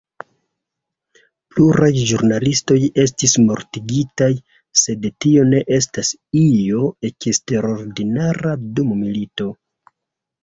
Pluraj ĵurnalistoj estis mortigitaj, sed tio ne estas io eksterordinara dum milito.